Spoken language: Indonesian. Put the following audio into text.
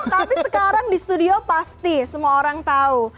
tapi sekarang di studio pasti semua orang tahu